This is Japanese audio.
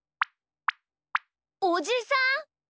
おじさん！？